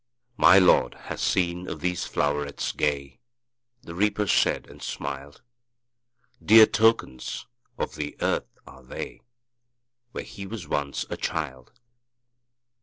``My Lord has need of these flowerets gay,'' The Reaper said, and smiled; ``Dear tokens of the earth are they, Where he was once a child.